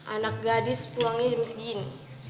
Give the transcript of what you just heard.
anak gadis pulangnya jam segini